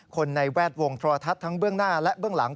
ในแวดวงโทรทัศน์ทั้งเบื้องหน้าและเบื้องหลัง